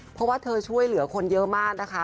เพราะว่าเธอช่วยเหลือคนเยอะมากนะคะ